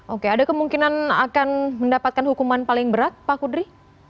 oke ada kemungkinan akan mendapatkan hukuman paling berat pak kudri